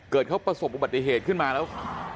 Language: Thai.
เกิดเขาประสบอุบัติเหตุขึ้นมาแล้ว